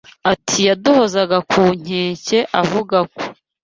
Ati “Yaduhozaga ku nkeke avuga ko